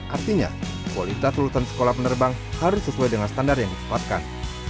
artinya kualitas lulusan sekolah penerbang harus sesuai dengan standar yang disepatkan